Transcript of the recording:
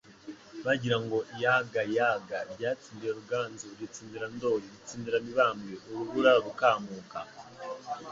bagira ngo Yaga, Yaga, ryatsindiye Ruganzu, ritsindira Ndoli, Ritsindira Mibambwe Urubura rukamuka